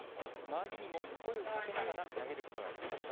周りにも声をかけながら投げることができました。